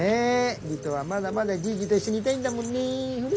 理人はまだまだジージと一緒にいたいんだもんね。